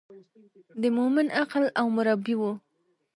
د مومن عقل او مربي و.